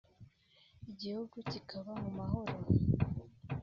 igihugu kikaba mu mahoro